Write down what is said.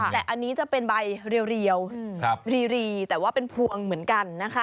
แต่อันนี้จะเป็นใบเรียวรีแต่ว่าเป็นพวงเหมือนกันนะคะ